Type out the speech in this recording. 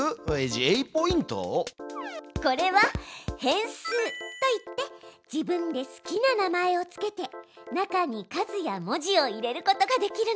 これは変数といって自分で好きな名前を付けて中に数や文字を入れることができるの。